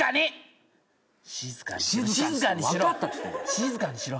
静かにしろ。